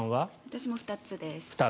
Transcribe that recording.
私も２つです。